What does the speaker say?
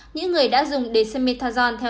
những người đã dùng dexamethasone